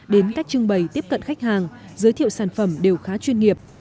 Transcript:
đến cách trưng bày tiếp cận khách hàng giới thiệu sản phẩm đều khá chuyên nghiệp